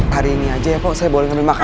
hari ini aja ya po saya boleh ambil makanan